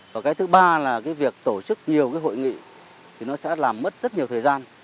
và cái thứ ba là cái việc tổ chức nhiều cái hội nghị thì nó sẽ làm mất rất nhiều thời gian